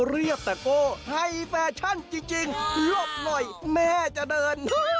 เรียกตะโก้ให้แฟชั่นจริงหลบหน่อยแม่จะเดิน